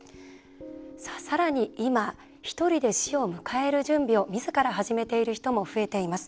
さらに今ひとりで死を迎える準備をみずから始めている人も増えています。